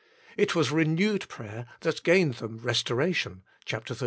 It was renewed prayer that gained them restoration, xxxii.